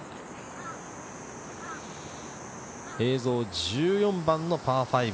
映像、１４番のパー５。